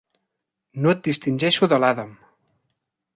No et distingeixo de l'Adam.